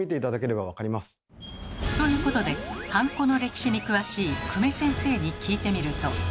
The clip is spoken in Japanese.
ということでハンコの歴史に詳しい久米先生に聞いてみると。